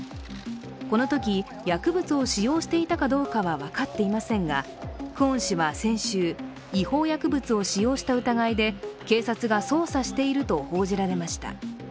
このとき薬物を使用していたかどうかは分かっていませんがクォン氏は先週、違法薬物を使用した疑いで警察が捜査していると報じられました。